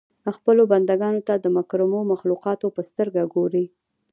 خپلو بنده ګانو ته د مکرمو مخلوقاتو په سترګه ګوري.